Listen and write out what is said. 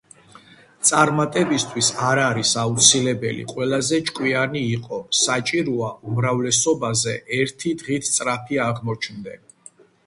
წარმატებისთვის არ არის აუცილებელი ყველაზე ჭკვიანი იყო, საჭიროა, უმრავლესობაზე ერთი დღით სწრაფი აღმოჩნდე.